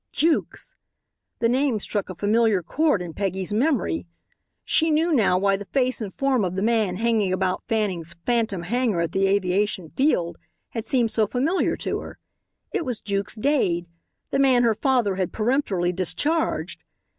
Jukes! The name struck a familiar chord in Peggy's memory. She knew now why the face and form of the man hanging about Fanning's "Phantom" hangar at the aviation field had seemed so familiar to her. It was Jukes Dade, the man her father had peremptorily discharged.